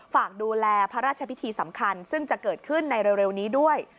ฝากดูแลพระราชพิธีสำคัญซึ่งจะเกิดขึ้นในเร็วนี้ด้วย